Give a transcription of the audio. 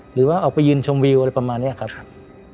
หรือว่าออกไปยืนชมวิวอะไรประมาณนี้ครับ